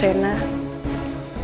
bagaimana jika raden fusena